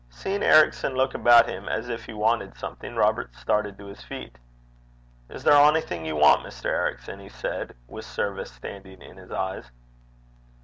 Seeing Ericson look about him as if he wanted something, Robert started to his feet. 'Is there onything ye want, Mr. Ericson?' he said, with service standing in his eyes.